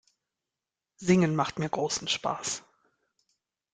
Singen macht mir großen Spaß.